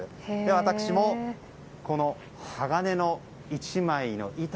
私もこの鋼の１枚の板